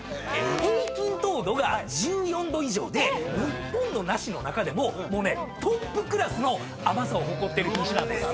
平均糖度が１４度以上で日本の梨の中でももうねトップクラスの甘さを誇ってる品種なんです。